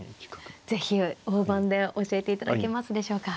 是非大盤で教えていただけますでしょうか。